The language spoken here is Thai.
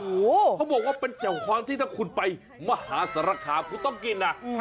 เขาบอกว่าเป็นแจ่วความที่ถ้าคุณไปมหาสารคามคุณต้องกินนะ